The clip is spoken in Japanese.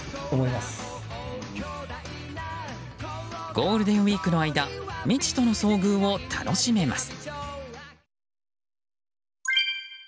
ゴールデンウィークの間未知との遭遇を楽しめます。